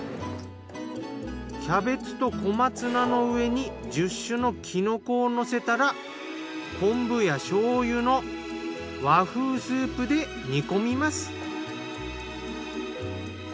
キャベツと小松菜の上に１０種のきのこをのせたら昆布や醤油の和風スープで煮込みます。